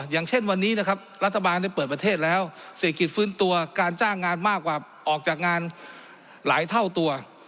อย่างเช่นวันนี้นะครับรัฐบาลได้เปิดประเทศแล้วเศรษฐกิจฟื้นตัวการจ้างงานมากกว่าออกจากงานหลายเท่าตัว